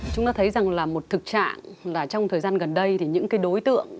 chúng ta thấy rằng là một thực trạng là trong thời gian gần đây thì những cái đối tượng